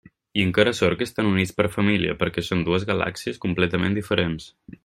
I encara sort que estan units per família, perquè són dues galàxies completament diferents.